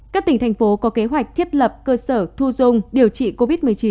các tỉnh thành phố có kế hoạch thiết lập cơ sở thu dung điều trị covid một mươi chín